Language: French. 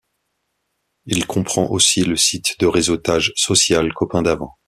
Il comprend aussi le site de réseautage social Copainsdavant.